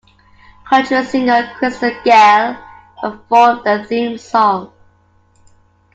Country singer Crystal Gayle performed the theme song.